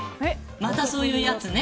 またそういうやつね。